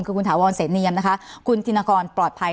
คือคุณถาวรเสนเนียมนะคะคุณธินกรปลอดภัย